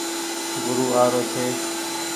گورو آ رو ڇي۔